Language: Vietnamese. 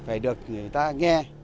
phải được người ta nghe